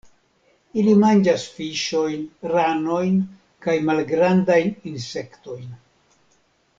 Ili manĝas fiŝojn, ranojn kaj malgrandajn insektojn.